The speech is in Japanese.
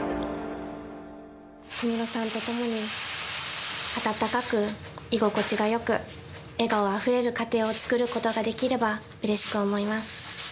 小室さんと共に温かく居心地がよく、笑顔あふれる家庭を作れることができればうれしく思います。